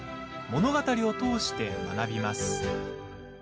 物語を通して学びます。